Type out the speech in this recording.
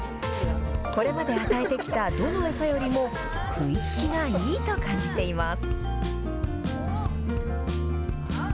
これまで与えてきたどの餌よりも食いつきがいいと感じています。